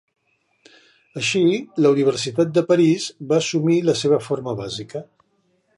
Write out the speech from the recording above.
Així, la Universitat de París va assumir la seva forma bàsica.